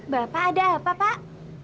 bapak ada apa pak